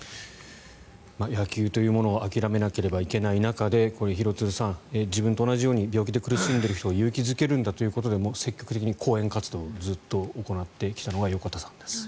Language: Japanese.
野球というものを諦めなきゃいけない中で廣津留さん、自分と同じように病気で苦しんている人を勇気付けるんだということで積極的に講演活動をずっと行ってきたのが横田さんです。